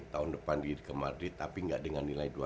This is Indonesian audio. tahun depan pergi ke madrid tapi gak dengan nilai satu juta